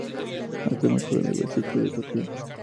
Actualmente juega en el Beşiktaş de Turquía.